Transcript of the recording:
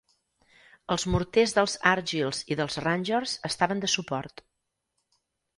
Els morters dels Argylls i dels Rangers estaven de suport.